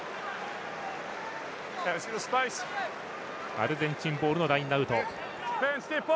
アルゼンチンボールのラインアウト。